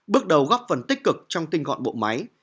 bước đầu góp phần tích cực trong tinh gọn bộ máy